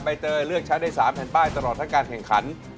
เตยเลือกใช้ได้๓แผ่นป้ายตลอดทั้งการแข่งขัน